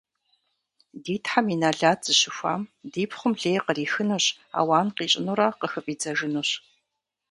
- Ди Тхьэм и нэлат зыщыхуам ди пхъум лей кърихынущ, ауан къищӀынурэ къыхыфӀидзэжынущ.